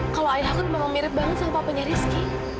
kalau ayahku tuh mirip banget sama papanya rizky